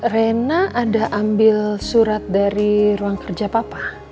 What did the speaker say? rena ada ambil surat dari ruang kerja papa